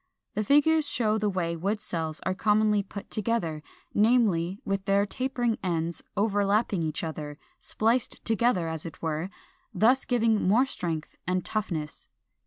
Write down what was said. The figures show the way wood cells are commonly put together, namely, with their tapering ends overlapping each other, spliced together, as it were, thus giving more strength and toughness.